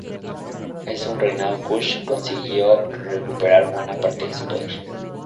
En su reinado Kush consiguió recuperar buena parte de su poder.